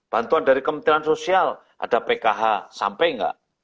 bantuan dari kementerian sosial ada pkh sampai nggak